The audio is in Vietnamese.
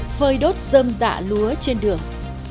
phơi đốt dơm dạ lúa trên đường